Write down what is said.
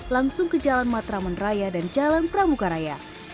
langsung ke jalan matraman raya dan jalan pramuka raya